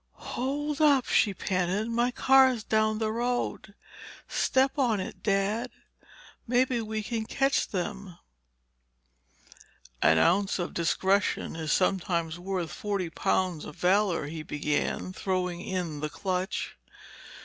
"H holdup," she panted. "My car's down the road. Step on it, Dad—maybe we can catch them." "An ounce of discretion is sometimes worth forty pounds of valor," he began, throwing in the clutch.